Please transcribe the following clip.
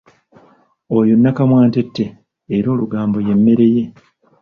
Oyo nakamwantette era olugambo ye mmere ye.